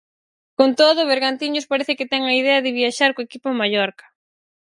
Con todo, Bergantiños parece que ten a idea de viaxar co equipo a Mallorca.